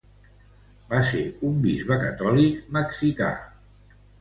Va ser un bisbe catòlic mexicà.